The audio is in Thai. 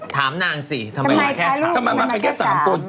ถามนางสิทำไมเขามาแค่๓คน